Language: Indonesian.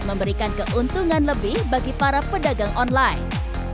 memberikan keuntungan lebih bagi para pedagang online